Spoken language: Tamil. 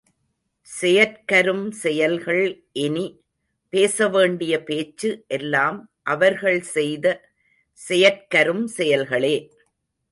செயற்கரும் செயல்கள் இனி, பேச வேண்டிய பேச்சு எல்லாம் அவர்கள் செய்த செயற்கரும் செயல்களே.